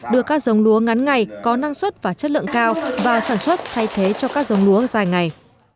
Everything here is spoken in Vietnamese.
đưa các giống lúa ngắn ngày có năng suất và chất lượng cao vào sản xuất thay thế cho các giống lúa dài ngày